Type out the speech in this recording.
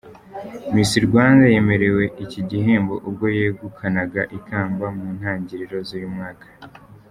Miss Rwanda yemerewe iki gihembo ubwo yegukanaga ikamba mu ntangiriro z’uyu mwaka.